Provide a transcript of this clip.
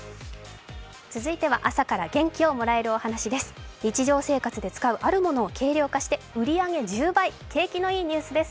続いては、朝から元気をもらえるお話です。